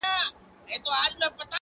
خو پر زړه مي سپين دسمال د چا د ياد.